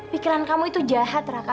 pikiran kamu itu jahat raka